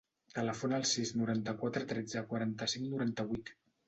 Telefona al sis, noranta-quatre, tretze, quaranta-cinc, noranta-vuit.